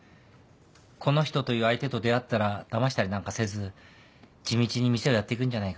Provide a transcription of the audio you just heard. この人という相手と出会ったらだましたりなんかせず地道に店をやっていくんじゃないかな。